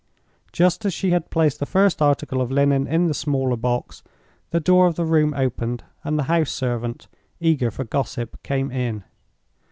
Just as she had placed the first article of linen in the smaller box, the door of the room opened, and the house servant, eager for gossip, came in.